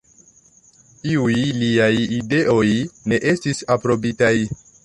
Iuj liaj ideoj ne estis aprobitaj.